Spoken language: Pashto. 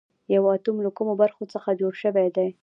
یو اتوم له کومو برخو څخه جوړ شوی دی